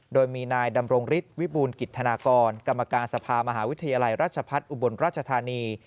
โดยมีนายดำรงฤทธิวิบูรณกิจธนากรกรรมการสภามหาวิทยาลัยราชพัฒน์อุบลราชธานี